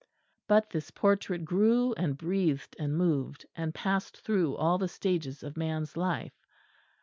But this portrait grew and breathed and moved, and passed through all the stages of man's life.